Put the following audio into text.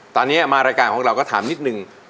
ตอนนี้มารายการของเราก็ถามนิดนึง